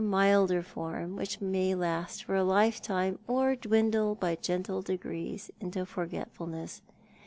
milder form which may last for a lifetime, or dwindle by gentle degrees into forgetfulness.